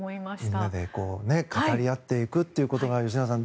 みんなで語り合っていくということが吉永さん